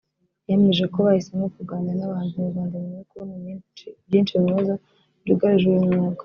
yemeje ko bahisemo kuganira n’abahanzi nyarwanda nyuma yo kubona byinshi mu bibazo byugarije uyu mwuga